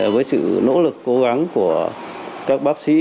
với sự nỗ lực cố gắng của các bác sĩ